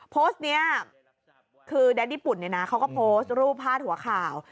โพสต์นี้คือแดดญี่ปุ่นเขาก็โพสต์รูปผ้าหัวข่าว